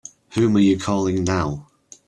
Whom are you calling now?